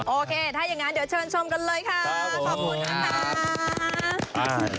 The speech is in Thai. โอเคถ้าอย่างนั้นเดี๋ยวเชิญชมกันเลยค่ะ